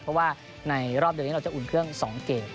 เพราะว่าในรอบเดือนนี้เราจะอุ่นเครื่อง๒เกม